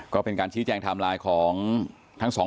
ก็เป็นการชี้แจงไทม์ไลน์ของทั้งสอง